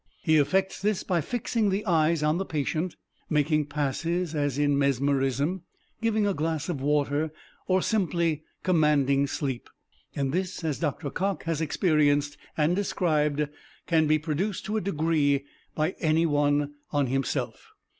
He effects this by fixing the eyes on the patient, making passes as in Mesmerism, giving a glass of water, or simply commanding sleep. And this, as Dr. COCKE has experienced and described, can be produced to a degree by anyone on himself.